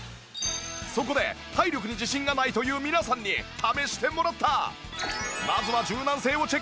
そこで体力に自信がないという皆さんに試してもらった！